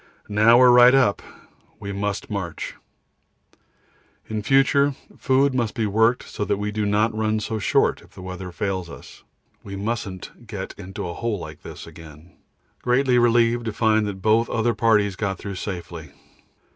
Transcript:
Now we are right up, we must march. In future food must be worked so that we do not run so short if the weather fails us. We mustn't get into a hole like this again. Greatly relieved to find that both the other parties got through safely.